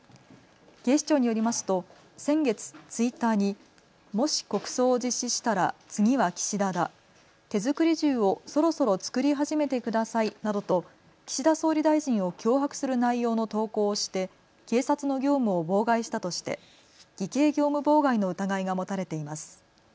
警視庁によりますと先月、ツイッターにもし国葬を実施したら次は岸田だ、手作り銃をそろそろ作り始めてくださいなどと岸田総理大臣を脅迫する内容の投稿して警察の業務を妨害したとして偽計業務妨害の疑いが持たれています。